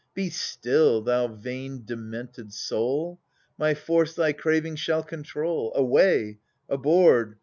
Be still, thou vain demented soul; My force thy craving shall control. Away, aboard